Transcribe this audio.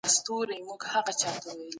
تخنیکي انقلاب د تولید بڼه بدله کړه.